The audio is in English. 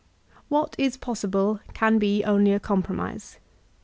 What is possible can be only a compromise.